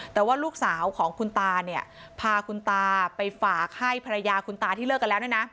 แต่ว่าลูกสาวของคุณตาเนี่ยพาคุณตาไปฝากให้ภรรยาคุณตาที่เลิกกันแล้วเนี่ยนะ